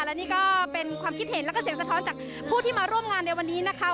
และนี่ก็เป็นความคิดเห็นแล้วก็เสียงสะท้อนจากผู้ที่มาร่วมงานในวันนี้นะคะ